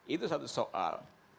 itu satu soal